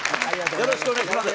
よろしくお願いします。